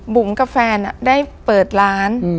บุ๋มกับแฟนได้เปิดร้าน